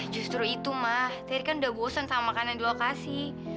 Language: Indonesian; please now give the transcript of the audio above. justru itu mah tadi kan udah bosen sama makanan di lokasi